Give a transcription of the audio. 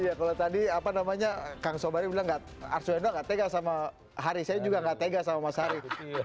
iya kalau tadi kang sobari bilang arswendo nggak tega sama hari saya juga nggak tega sama mas hari